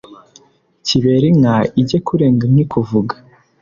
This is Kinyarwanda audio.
kiberinka ijye kurenga nkikuvuga